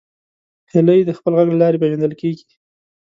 هیلۍ د خپل غږ له لارې پیژندل کېږي